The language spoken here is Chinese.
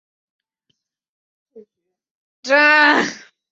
东北福祉大学网站